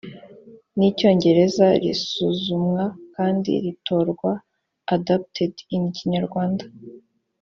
rw icyongereza risuzumwa kandi ritorwa adopted in kinyarwanda